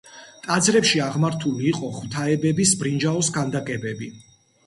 ტაძრებში აღმართული იყო ღვთაებების ბრინჯაოს ქანდაკებები.